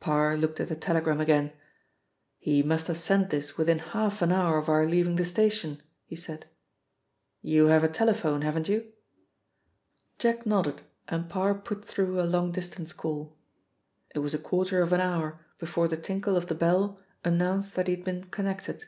Parr looked at the telegram again. "He must have sent this within half an hour of our leaving the station," he said. "You have a telephone, haven't you?" Jack nodded, and Parr put through a long distance call. It was a quarter of an hour before the tinkle of the bell announced that he had been connected.